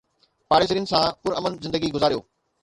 پاڙيسرين سان پرامن زندگي گذاريو